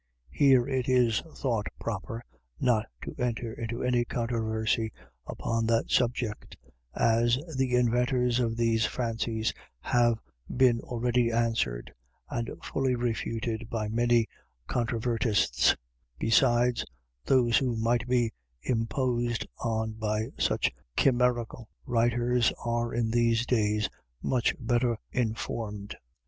Here it is thought proper, not to enter into any controversy upon that subject, as the inventors of these fancies have been already answered, and fully refuted by many controvertists: besides, those who might be inposed on by such chimerical writers, are in these days much better informed.